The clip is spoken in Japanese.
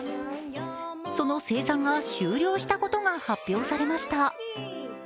その生産が終了したことが発表されました。